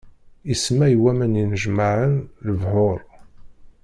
Isemma i waman yennejmaɛen: lebḥuṛ.